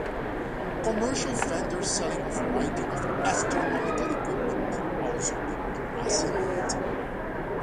Commercial vendors selling a variety of astronomical equipment may also be present.